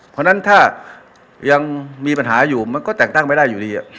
เพราะฉะนั้นถ้ายังมีปัญหาอยู่มันก็แต่งตั้งไม่ได้อยู่ดี